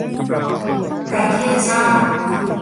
ประเทศชาติ